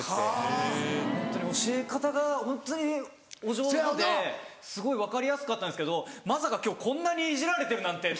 ホントに教え方がホントにお上手なのですごい分かりやすかったんですけどまさか今日こんなにイジられてるなんて。